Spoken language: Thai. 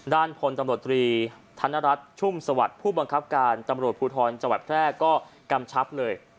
ด้านพลตำรวจตรีธนรัฐชุ่มสวัสดิ์ผู้บังคับการตำรวจภูทรจังหวัดแพร่ก็กำชับเลย